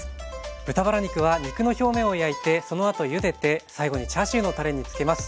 豚バラ肉は肉の表面を焼いてそのあとゆでて最後にチャーシューのたれにつけます。